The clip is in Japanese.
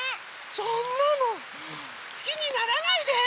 そんなのすきにならないで！